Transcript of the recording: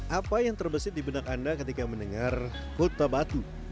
apa yang terbesit di benak anda ketika mendengar kota batu